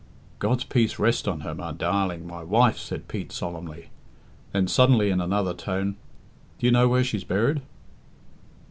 "God's peace rest on her! My darling! My wife!" said Pete solemnly. Then suddenly in another tone, "Do you know where she's buried?"